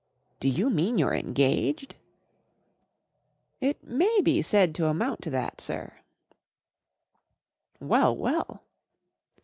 " Do you mean you're engaged ?" "It may be said to amount to that; sir," " Well, well